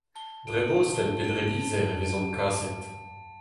Dre bostel pe dre lizher e vezont kaset.